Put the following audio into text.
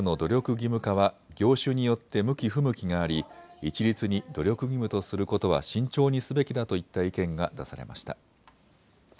義務化は業種によって向き不向きがあり一律に努力義務とすることは慎重にすべきだといった意見が出されました。